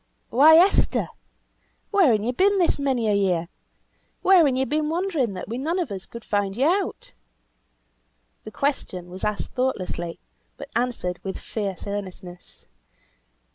"Why, Esther! Where han ye been this many a year? Where han ye been wandering that we none of us could find you out?" The question was asked thoughtlessly, but answered with fierce earnestness.